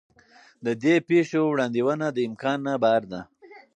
د دې پېښو وړاندوینه د امکان نه بهر ده.